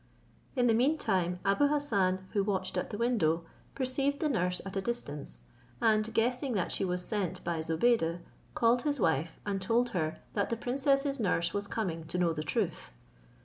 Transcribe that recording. In the mean time Abou Hassan, who watched at the window, perceived the nurse at a distance, and guessing that she was sent by Zobeide, called his wife, and told her that the princess's nurse was coming to know the truth.